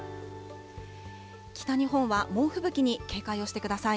北日本は猛吹雪に警戒をしてください。